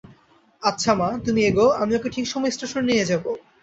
আচ্ছা মা, তুমি এগোও, আমি ওকে ঠিক সময়ে স্টেশনে নিয়ে যাব।